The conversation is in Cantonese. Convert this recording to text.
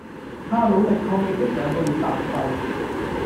怕努力抗疫的兩個月白費